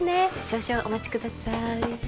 少々お待ちください